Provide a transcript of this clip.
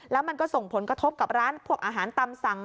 แล้วมันก็ส่งผลกระทบกับร้านพวกอาหารตามสั่ง